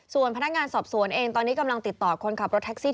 ส่วนพนักงานสอบสวนเองตอนนี้กำลังติดต่อคนขับรถแท็กซี่